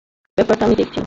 ব্যপারটা আমি দেখছি।